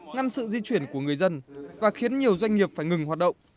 ngăn sự di chuyển của người dân và khiến nhiều doanh nghiệp phải ngừng hoạt động